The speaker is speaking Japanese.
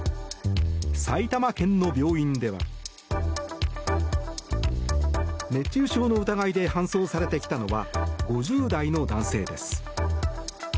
埼玉県の病院では熱中症の疑いで搬送されてきたのは５０代の男性です。